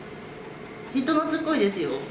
人懐っこいですよ。